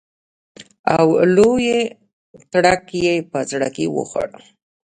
او لوی تړک یې په زړه وخوړ.